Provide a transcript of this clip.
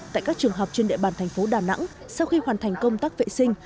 tại các trường học trên địa bàn thành phố đà nẵng sau khi hoàn thành công tác vệ sinh